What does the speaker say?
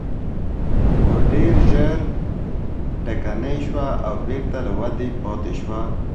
خو ډېر ژر ټکنۍ شوه او بېرته له ودې پاتې شوه.